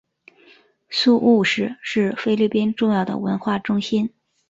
宿雾市是菲律宾重要的文化中心。